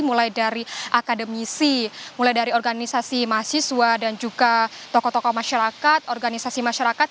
mulai dari akademisi mulai dari organisasi mahasiswa dan juga tokoh tokoh masyarakat organisasi masyarakat